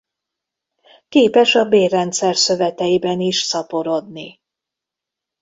Képes a bélrendszer szöveteiben is szaporodni.